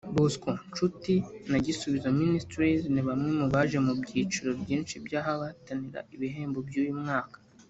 Bosco Nshuti na Gisubizo Ministries ni bamwe mu baje mu byiciro byinshi by'abahatanira ibihembo by'uyu mwaka